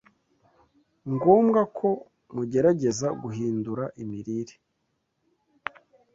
ngombwa ko mugerageza guhindura imirire